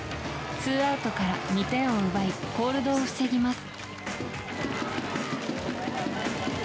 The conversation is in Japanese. ツーアウトから２点を奪いコールドを防ぎます。